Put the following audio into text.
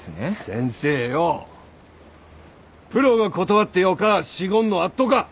先生よぉプロが断ってよか仕事のあっとか？